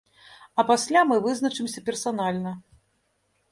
А пасля мы вызначымся персанальна.